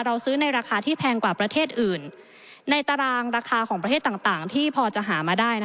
เราซื้อในราคาที่แพงกว่าประเทศอื่นในตารางราคาของประเทศต่างที่พอจะหามาได้